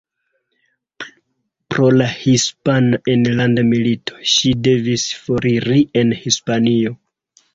Pro la Hispana Enlanda Milito, ŝi devis foriri el Hispanio.